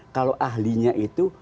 kalau ahlinya itu